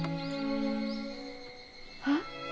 あっ。